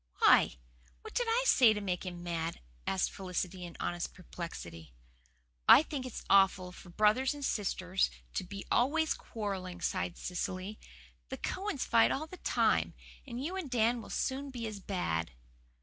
"Why, what did I say to make him mad?" asked Felicity in honest perplexity. "I think it's awful for brothers and sisters to be always quarrelling," sighed Cecily. "The Cowans fight all the time; and you and Dan will soon be as bad."